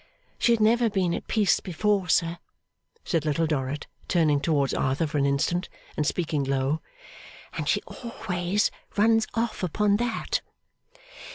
'She had never been at peace before, sir,' said Little Dorrit, turning towards Arthur for an instant and speaking low, 'and she always runs off upon that.